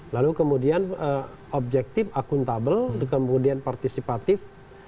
lalu kemudian objektif akuntabel kemudian partisipatif